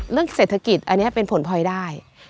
เรื่องเศรษฐกิจอันนี้เป็นผลพลอยได้